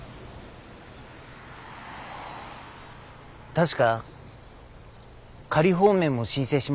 確か仮放免も申請しましたよね。